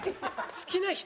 好きな人？